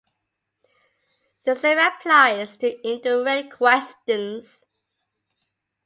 The same applies to indirect questions.